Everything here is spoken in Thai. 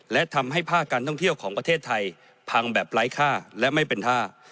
และทำให้ภาคการท่องเที่ยวของประเทศไทยพังแบบไร้ค่าและไม่เป็นท่า